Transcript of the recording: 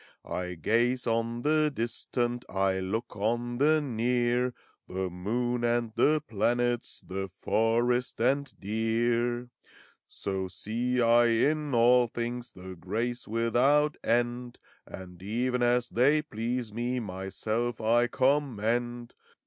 I gaze on the Distant, I look on the Near, — The moon and the planets. 232 FAUST. The forest and deer. So see I in all things The grace without end, And even as they please me, Myself I commend.